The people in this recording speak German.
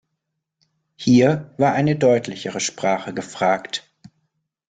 Hier war eine deutlichere Sprache gefragt.